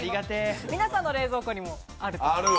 皆さんの冷蔵庫にもあると思います。